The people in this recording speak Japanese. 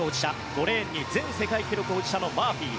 ５レーンに前世界記録保持者のマーフィー。